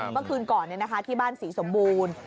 เมื่อคืนก่อนเนี่ยที่บ้านสีสมบูรณ์